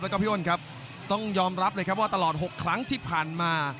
แล้วก็พี่อ้นครับต้องยอมรับเลยครับว่าตลอด๖ครั้งที่ผ่านมา